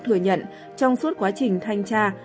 thừa nhận trong suốt quá trình thanh tra